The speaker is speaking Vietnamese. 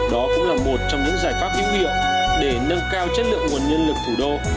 đó cũng là một trong những giải pháp hữu hiệu để nâng cao chất lượng nguồn nhân lực thủ đô